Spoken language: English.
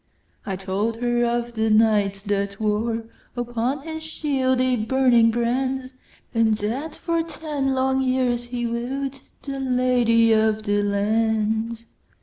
I told her of the Knight that woreUpon his shield a burning brand; And that for ten long years he woo'dThe Lady of the Land.